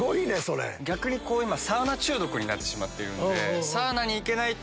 逆にサウナ中毒になってしまっているんで。